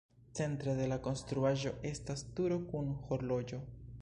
Centre de la konstruaĵo estas turo kun horloĝo.